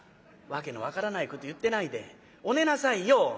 「わけの分からないこと言ってないでお寝なさいよ」。